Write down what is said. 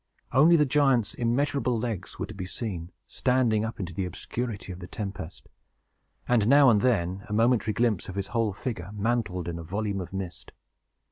Only the giant's immeasurable legs were to be seen, standing up into the obscurity of the tempest; and, now and then, a momentary glimpse of his whole figure, mantled in a volume of mist.